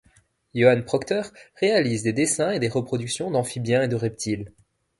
Joan Procter réalise des dessins et des reproductions d'amphibiens et de reptiles.